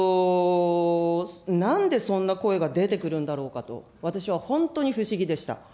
なんでそんな声が出てくるんだろうかと、私は本当に不思議でした。